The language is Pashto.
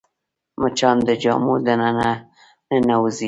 مچان د جامو دننه ننوځي